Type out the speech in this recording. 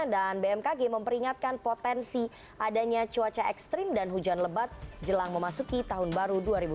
bmkg memperingatkan potensi adanya cuaca ekstrim dan hujan lebat jelang memasuki tahun baru dua ribu dua puluh